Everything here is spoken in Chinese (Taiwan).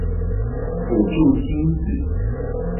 輔助親子